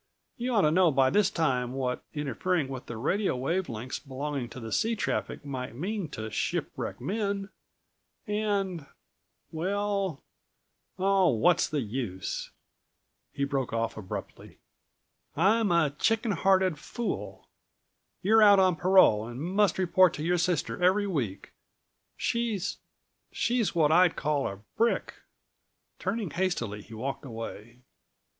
You ought to know by this time what interfering with the radio wave lengths belonging to sea traffic might mean to shipwrecked men; and—well—Oh, what's the use!" he broke off abruptly. "I'm a chicken hearted fool. You're out on parole and must report to your sister every week. She's—she's what I'd call a brick!" Turning hastily he walked away.